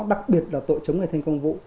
đặc biệt là tội chống người thành công vụ